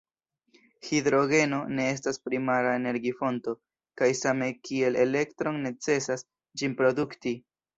Hidrogeno ne estas primara energi-fonto, kaj same kiel elektron, necesas ĝin produkti.